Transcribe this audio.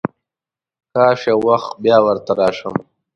کاش یو وخت بیا ورته راشم.